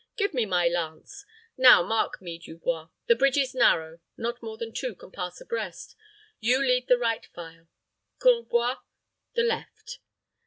Give me my lance. Now mark me, Dubois. The bridge is narrow; not more than two can pass abreast. You lead the right file, Courbeboix the left.